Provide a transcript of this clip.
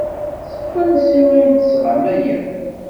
Seg wansi ay d-tesɣam aya?